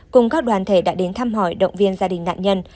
cùng các đoàn thể đã đến thăm hỏi động viên gia đình nạn nhân